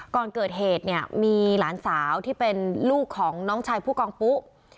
ก่อนเกิดเหตุเนี่ยมีหลานสาวที่เป็นลูกของน้องชายผู้กองปุ๊